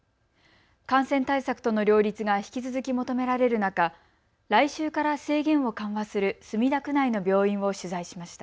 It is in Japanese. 感染対策との両立が引き続き求められる中、来週から制限を緩和する墨田区内の病院を取材しました。